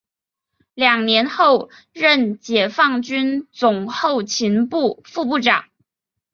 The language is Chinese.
两年后任解放军总后勤部副部长。